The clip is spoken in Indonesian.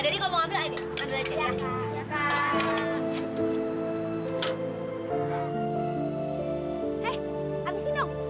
lucu juga tuh cewek